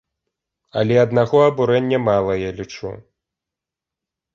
Але аднаго абурэння мала, я лічу.